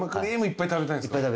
いっぱい食べたいです。